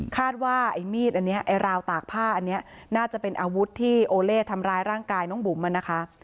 ว่าไอ้มีดอันนี้ไอ้ราวตากผ้าอันนี้น่าจะเป็นอาวุธที่โอเล่ทำร้ายร่างกายน้องบุ๋มอ่ะนะคะ